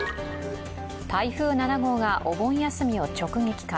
台風７号がお盆休みを直撃か。